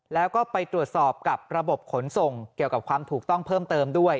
แล้วก็ไปตรวจสอบกับระบบขนส่งเกี่ยวกับความถูกต้องเพิ่มเติมด้วย